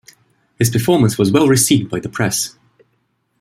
His performance was well received by the press.